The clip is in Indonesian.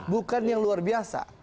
bukan yang luar biasa